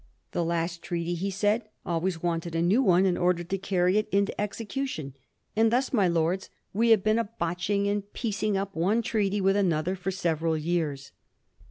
" The last treaty," he said, " al ways wanted a new one in order to carry it into execu tion, and thus, my Lords, we have been a botching and piecing up one treaty with another for several years."